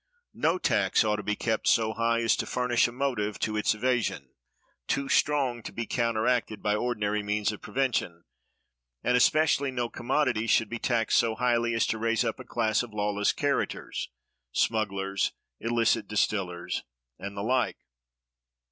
No tax ought to be kept so high as to furnish a motive to its evasion, too strong to be counteracted by ordinary means of prevention; and especially no commodity should be taxed so highly as to raise up a class of lawless characters—smugglers, illicit distillers, and the like.